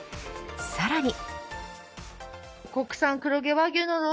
さらに。